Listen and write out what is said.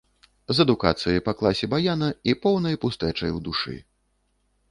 З адукацыяй па класе баяна і поўнай пустэчай ў душы.